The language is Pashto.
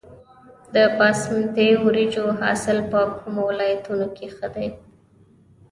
د باسمتي وریجو حاصل په کومو ولایتونو کې ښه دی؟